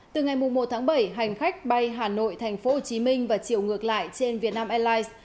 từ ngày một tháng bảy hành khách bay hà nội tp hcm và chiều ngược lại trên vietnam airlines